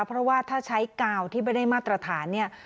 เพราะว่าถ้าใช้กาวที่ไม่ได้มาตรฐานเนี่ย